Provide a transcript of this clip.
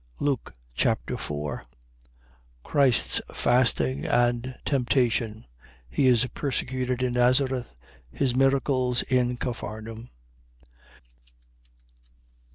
Luke Chapter 4 Christ's fasting and temptation. He is persecuted in Nazareth. His miracles in Capharnaum.